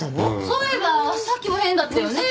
そういえばさっきも変だったよね。